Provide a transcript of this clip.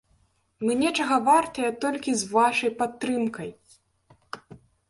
Мы нечага вартыя толькі з вашай падтрымкай!